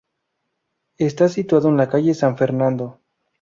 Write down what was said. Está situado en la calle San Fernando.